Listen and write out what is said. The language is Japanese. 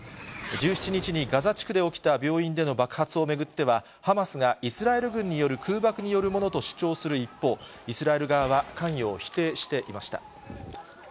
１７日にガザ地区で起きた病院での爆発を巡っては、ハマスがイスラエル軍による空爆によるものと主張する一方、イスラエル側は関与を否定していました。